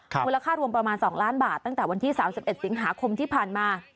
มูลค่ารวมประมาณ๒ล้านบาทตั้งแต่วันที่๓๑สิงหาคมที่ผ่านมา